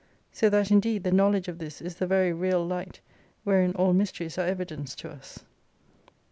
So that indeed the knowledge of this is the very real light, wherein all mysteries are evidenced to us.